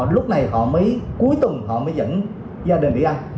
lúc này họ mới cuối tuần họ mới dẫn gia đình đi ăn